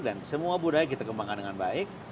dan semua budaya kita kembangkan dengan baik